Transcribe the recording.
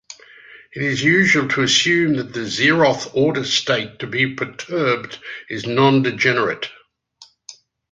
It is usual to assume that the zeroth-order state to be perturbed is non-degenerate.